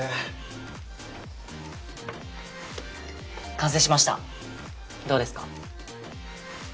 完成しましたどうですか？